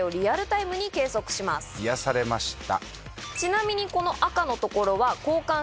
癒やされました。